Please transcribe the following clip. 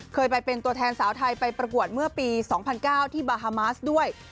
เคยไปเป็นตัวแทนสาวไทยไปประกวดเมื่อปี๒๐๐๙ที่บาฮามาสด้วย